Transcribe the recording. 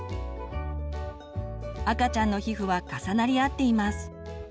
赤ちゃんの皮膚は重なり合っています。